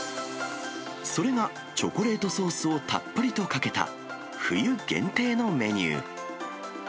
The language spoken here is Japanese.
それが、チョコレートソースをたっぷりとかけた冬限定のメニュー。